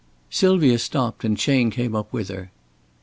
Sylvia stopped and Chayne came up with her.